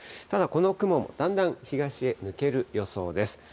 ただこの雲もだんだん東へ抜ける予想です。